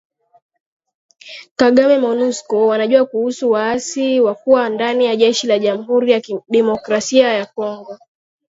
Kagame Monusco wanajua kuhusu waasi wa kuwa ndani ya jeshi la jamhuri ya kidemokrasia ya Kongo